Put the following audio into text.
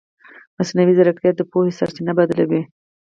مصنوعي ځیرکتیا د پوهې سرچینه بدله کوي.